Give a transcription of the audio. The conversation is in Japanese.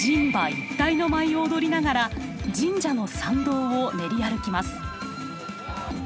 一体の舞を踊りながら神社の参道を練り歩きます。